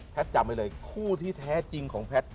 จำไว้เลยคู่ที่แท้จริงของแพทย์